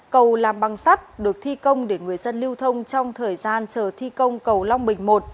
cầu làm băng sắt được thi công để người dân lưu thông trong thời gian chờ thi công cầu long bình một